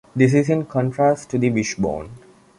This is in contrast to the wishbone.